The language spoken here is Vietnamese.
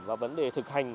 và vấn đề thực hành